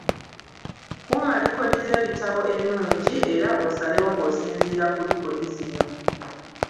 Kuuma likodi z’ebitabo ennungi era osalewo ng’osinziira ku likodi zino.